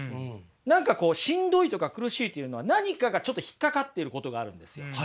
何かしんどいとか苦しいというのは何かがちょっと引っかかっていることがあるんですよ。